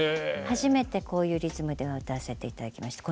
初めてこういうリズムでは歌わせて頂きました。